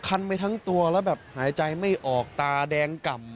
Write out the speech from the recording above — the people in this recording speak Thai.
คันไปทั้งตัวแล้วแบบหายใจไม่ออกตาแดงก่ำ